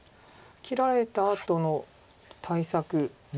切られたあとの対策。